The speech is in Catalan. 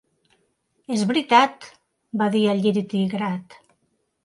"És veritat!" va dir el Lliri tigrat.